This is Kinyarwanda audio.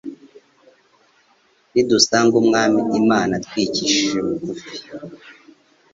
Nidusanga Umwami Imana twicishije bugufi